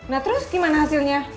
nah terus gimana hasilnya